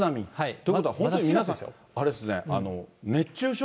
ということは、皆さん、あれですね、熱中症？